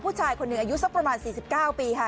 ผู้ชายคนหนึ่งอายุสักประมาณ๔๙ปีค่ะ